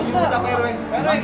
sepuluh juta pak erwang